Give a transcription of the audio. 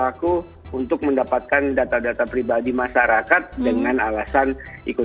nah kebetulan ada fitur edyors instagram ini dimanfaatkan dengan cepat oleh pelaku